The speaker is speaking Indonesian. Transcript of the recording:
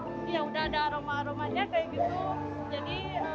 ya udah ada aroma aromanya kayak gitu